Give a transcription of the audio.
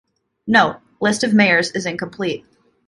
Note: List of Mayors is incomplete.